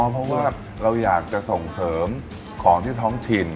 เพราะว่าเราอยากจะส่งเสริมของที่ท้องถิ่น